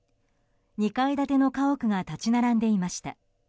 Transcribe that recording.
２階建ての家屋が立ち並んでいました。